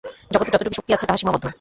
জগতে যতটুকু শক্তি আছে, তাহা সীমাবদ্ধ।